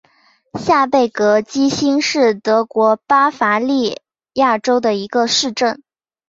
下贝格基兴是德国巴伐利亚州的一个市镇。